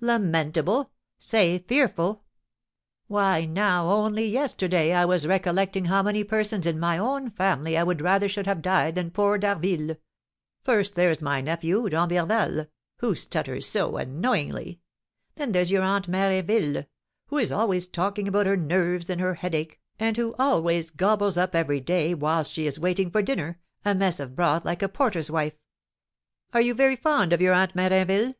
"Lamentable! Say fearful. Why, now, only yesterday, I was recollecting how many persons in my own family I would rather should have died than poor D'Harville. First, there's my nephew, D'Emberval, who stutters so annoyingly; then there's your Aunt Mérinville, who is always talking about her nerves and her headache, and who always gobbles up every day, whilst she is waiting for dinner, a mess of broth like a porter's wife. Are you very fond of your Aunt Mérinville?"